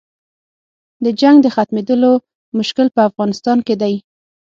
د جنګ د ختمېدلو مشکل په افغانستان کې دی.